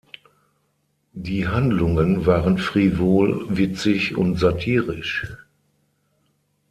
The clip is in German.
Die Handlungen waren frivol, witzig und satirisch.